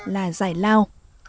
là giải lao